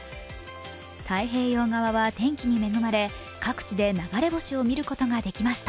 太平洋側は天気に恵まれ各地で流れ星を見ることができました。